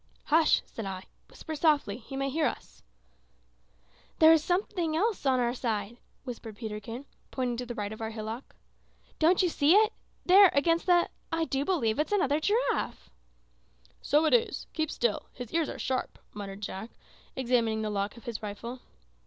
"Hush!" said I. "Whisper softly. He may hear us." "There goes something else on our side," whispered Peterkin, pointing to the right of our hillock. "Don't you see it? There, against the I do believe it's another giraffe!" "So it is! Keep still. His ears are sharp," muttered Jack, examining the lock of his rifle.